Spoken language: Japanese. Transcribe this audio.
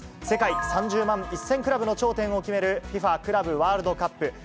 世界３０万１０００クラブの頂点を決める、ＦＩＦＡクラブワールドカップ。